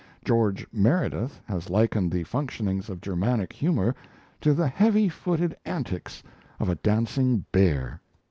George Meredith has likened the functionings of Germanic humour to the heavy footed antics of a dancing bear.